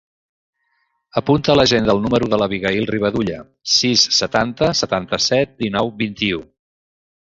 Apunta a l'agenda el número de l'Abigaïl Rivadulla: sis, setanta, setanta-set, dinou, vint-i-u.